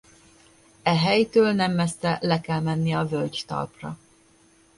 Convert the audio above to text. E helytől nem messze le kell menni a völgytalpra.